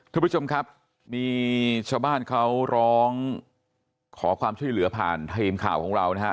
ทุกผู้ชมครับมีชาวบ้านเขาร้องขอความช่วยเหลือผ่านทีมข่าวของเรานะฮะ